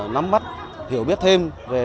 nắm mắt hiểu biết thêm về